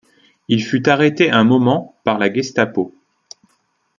Il fut arrêté un moment par la Gestapo.